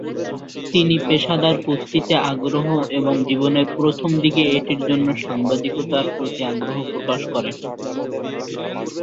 তিনি পেশাদার কুস্তিতে আগ্রহ এবং জীবনের প্রথম দিকে এটির জন্য সাংবাদিকতার প্রতি আগ্রহ প্রকাশ করেন।